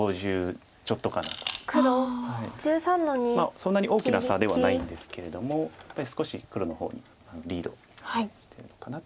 そんなに大きな差ではないんですけれどもやっぱり少し黒の方がリードしてるのかなと。